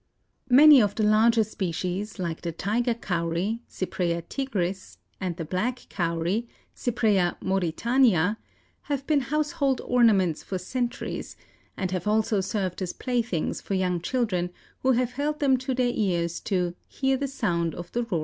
Many of the larger species, like the tiger cowry (Cypraea tigris) and the black cowry (Cypraea mauritiana) have been household ornaments for centuries and have also served as playthings for young children, who have held them to their ears to "hear the sound of the roaring sea."